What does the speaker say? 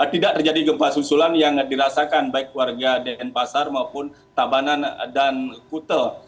tidak terjadi gempa susulan yang dirasakan baik warga dn pasar maupun tabanan dan kute